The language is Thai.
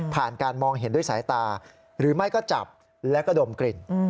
การมองเห็นด้วยสายตาหรือไม่ก็จับแล้วก็ดมกลิ่น